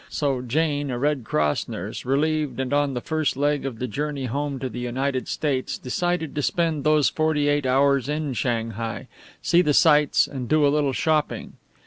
So Jane, a Red Cross nurse, relieved and on the first leg of the journey home to the United States, decided to spend those forty eight hours in Shanghai, see the sights and do a little shopping.